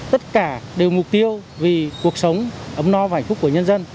tất cả đều mục tiêu vì cuộc sống ấm no và hạnh phúc của nhân dân